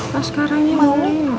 mascaranya sama mama